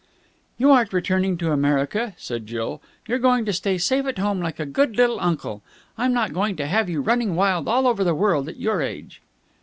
"You aren't returning to America," said Jill. "You're going to stay safe at home like a good little uncle. I'm not going to have you running wild all over the world at your age."